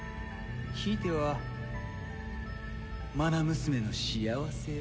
ひいては愛娘の幸せを。